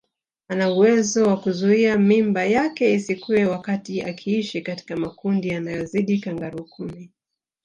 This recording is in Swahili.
Ana uwezo wa kuzuia mimba yake isikue wakati akiishi katika makundi yanayozidi kangaroo kumi